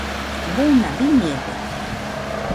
buna biñede